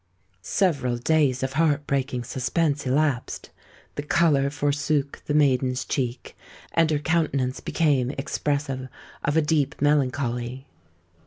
Several days of heart breaking suspense elapsed: the colour forsook the maiden's cheek; and her countenance became expressive of a deep melancholy.